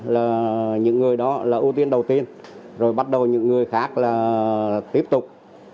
là những người đó là ưu tiên đầu tiên rồi bắt đầu những người khác là tiếp tục